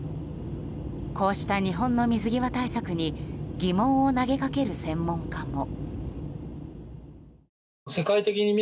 こうした日本の水際対策に疑問を投げかける専門家も。